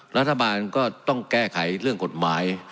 รัฐบาลก็ต้องแก้ไขเรื่องกฎหมาย